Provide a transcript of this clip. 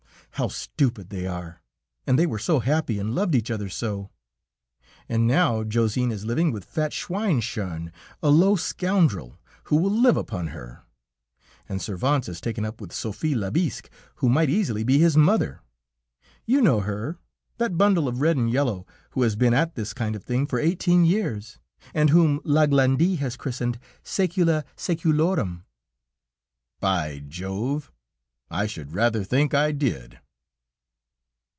How stupid they are, and they were so happy and loved each other so.... And now Josine is living with fat Schweinsshon, a low scoundrel who will live upon her and Servance has taken up with Sophie Labisque, who might easily be his mother; you know her, that bundle of red and yellow, who has been at that kind of thing for eighteen years, and whom Laglandee has christened, 'Saecula saeculorum!'" "By Jove! I should rather think I did!"